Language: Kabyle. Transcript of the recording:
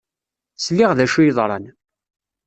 Sliɣ d acu yeḍran.